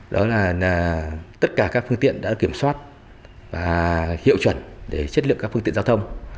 đó là tất cả các phương tiện đã kiểm soát và hiệu chuẩn để chất lượng các phương tiện giao thông